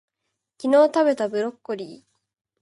昨日たべたブロッコリー